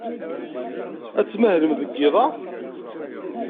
Ad tmahlem deg yiḍ-a?